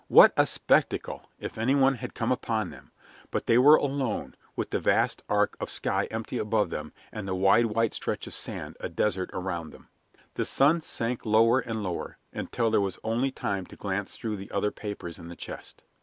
What a spectacle, if anyone had come upon them! But they were alone, with the vast arch of sky empty above them and the wide white stretch of sand a desert around them. The sun sank lower and lower, until there was only time to glance through the other papers in the chest.